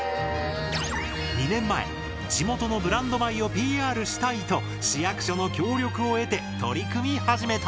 ２年前「地元のブランド米をＰＲしたい」と市役所の協力を得て取り組み始めた。